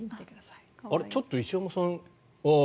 ちょっと石山さん。